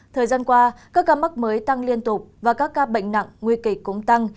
thời gian qua các ca mắc mới tăng liên tục và các ca bệnh nặng nguy kịch cũng tăng